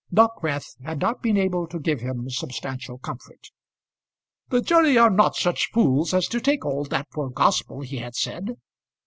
Dockwrath had not been able to give him substantial comfort. "The jury are not such fools as to take all that for gospel," he had said.